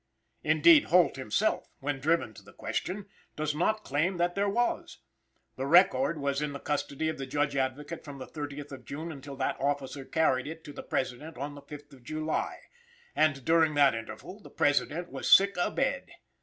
Indeed Holt himself, when driven to the question, does not claim that there was. The record was in the custody of the Judge Advocate from the 30th of June until that officer carried it to the President on the 5th of July, and during that interval the President was sick a bed.